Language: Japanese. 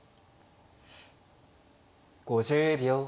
５０秒。